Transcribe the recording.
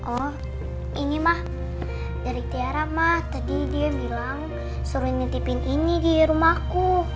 oh ini mah jadi tiara mah tadi dia bilang suruh nitipin ini di rumahku